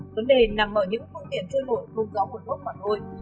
vấn đề nằm ở những phương tiện trôi nổi không rõ một gốc mà thôi